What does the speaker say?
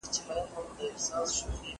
دا کار له هغه ګټور دي،